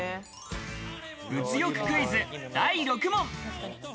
物欲クイズ、第６問！